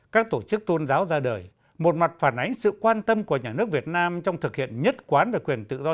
các tổ chức tôn giáo ra đời một mặt phản ánh sự quan tâm của nhà nước việt nam trong thực hiện nhất quán về quyền tự do